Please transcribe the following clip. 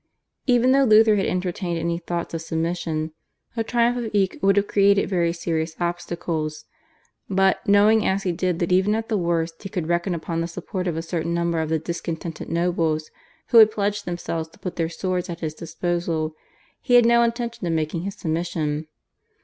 Even though Luther had entertained any thoughts of submission, the triumph of Eck would have created very serious obstacles; but, knowing as he did, that even at the worst he could reckon upon the support of a certain number of the discontented nobles who had pledged themselves to put their swords at his disposal, he had no intention of making his submission.